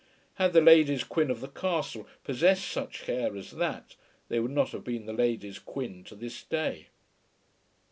Had the ladies Quin of the Castle possessed such hair as that, they would not have been the ladies Quin to this day.